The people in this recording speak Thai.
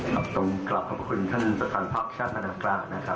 ครับต้องกลับขอบคุณท่านสตรรภัณฑ์ภาคชาติธนกราศนะครับ